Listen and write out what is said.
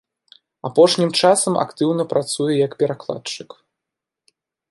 Апошнім часам актыўна працуе як перакладчык.